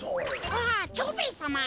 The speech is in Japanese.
ああ蝶兵衛さま。